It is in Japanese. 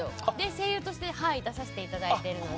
声優として出させていただいているので。